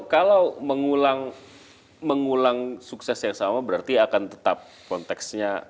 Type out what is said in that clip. kalau mengulang sukses yang sama berarti akan tetap konteksnya